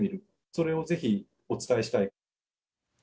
それをぜひお伝えしたい。